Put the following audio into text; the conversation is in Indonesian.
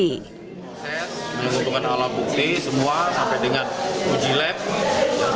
proses menentukan alat bukti semua sampai dengan uji lab